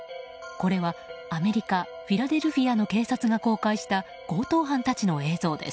これはアメリカ・フィラデルフィアの警察が公開した強盗犯たちの映像です。